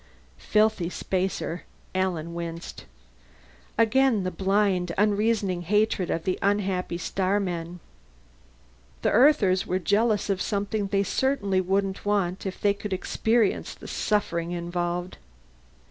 Filthy spacer. Alan winced. Again the blind, unreasoning hatred of the unhappy starmen. The Earthers were jealous of something they certainly wouldn't want if they could experience the suffering involved.